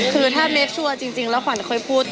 คือถ้าเมคชัวร์จริงแล้วขวัญเคยพูด